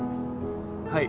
はい。